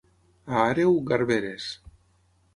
A Àreu, garberes.